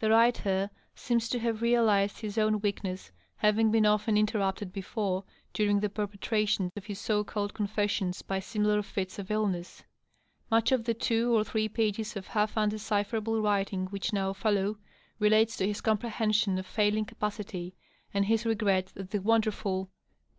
The writer seems to have realized his own weakness, having been often interrupted before during the perpetration of his so called confessions by similar fits of illness. Much of the two or three pages of half undecipherable writing which now follow relates to his comprehension of fiuling capacity and his r^et that the wonderful